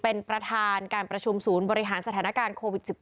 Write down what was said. เป็นประธานการประชุมศูนย์บริหารสถานการณ์โควิด๑๙